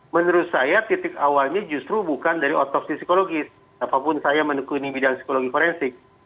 menurut saya titik awalnya justru bukan dari otopsi psikologis apapun saya menekuni bidang psikologi forensik